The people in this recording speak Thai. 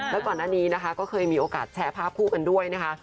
แล้วก่อนหน้านี้นะคะก็เคยมีโอกาสแชร์ภาพคู่กันด้วยนะคะ